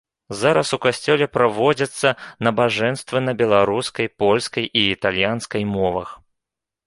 Зараз у касцёле праводзяцца набажэнствы на беларускай, польскай і італьянскай мовах.